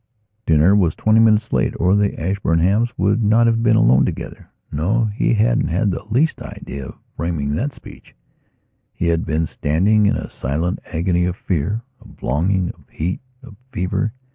Dinner was twenty minutes late or the Ashburnhams would not have been alone together. No, he hadn't had the least idea of framing that speech. He had just been standing in a silent agony of fear, of longing, of heat, of fever.